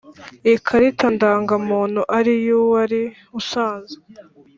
Ikarita ndangamuntu ari iy uwari usanzwe